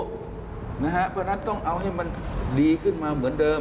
เพราะฉะนั้นต้องเอาให้มันดีขึ้นมาเหมือนเดิม